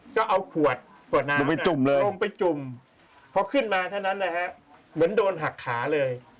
ก็เอาขวดขวดน้ำลงไปจุ่มเขาขึ้นมาเท่านั้นนะครับเหมือนโดนหักขาเลย